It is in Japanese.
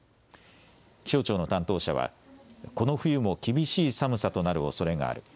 気象庁の担当者はこの冬も厳しい寒さとなるおそれがある。